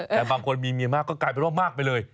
แต่บางคนมีเมียมากก็กลายเป็นว่ามากไปเลย